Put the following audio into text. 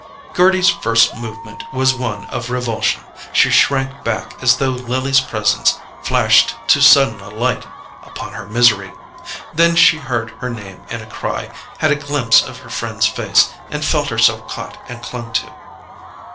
Gerty's first movement was one of revulsion. She shrank back as though Lily's presence flashed too sudden a light upon her misery. Then she heard her name in a cry, had a glimpse of her friend's face, and felt herself caught and clung to.